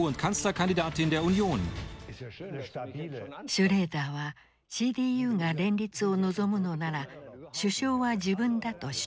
シュレーダーはＣＤＵが連立を望むのなら首相は自分だと主張した。